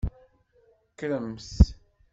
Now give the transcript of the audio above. Kkremt.